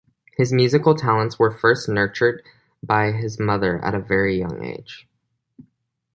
His musical talents were first nurtured by his mother at a very young age.